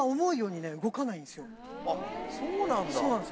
あっそうなんだ。